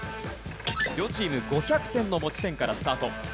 両チーム５００点の持ち点からスタート。